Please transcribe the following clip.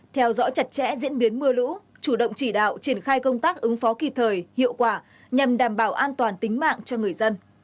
theo dõi chặt chẽ diễn biến mưa lũ chủ động chỉ đạo triển khai công tác ứng phó kịp thời hiệu quả nhằm đảm bảo an toàn tính mạng cho người dân